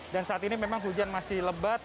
dan saat ini memang hujan masih lebat